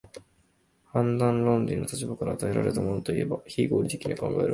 判断論理の立場からは、与えられたものといえば非合理的と考えられ、